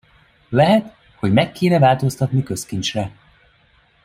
Lehet, hogy meg kéne változtatni közkincsre.